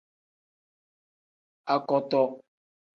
Akoto.